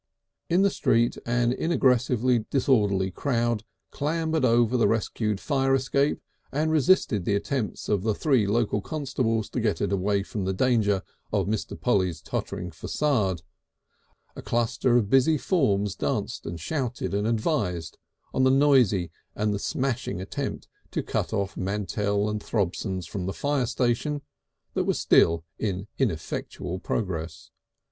In the street an inaggressively disorderly crowd clambered over the rescued fire escape and resisted the attempts of the three local constables to get it away from the danger of Mr. Polly's tottering façade, a cluster of busy forms danced and shouted and advised on the noisy and smashing attempt to cut off Mantell and Throbson's from the fire station that was still in ineffectual progress.